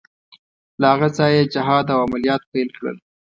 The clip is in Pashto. له هغه ځایه یې جهاد او عملیات پیل کړل.